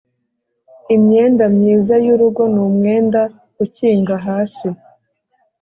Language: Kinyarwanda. imyenda myiza y urugo n umwenda ukinga hasi